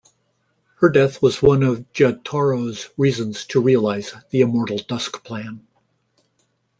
Her death was one of Jyotaro's reasons to realise the Immortal Dusk plan.